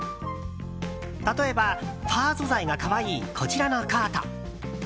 例えば、ファー素材が可愛いこちらのコート。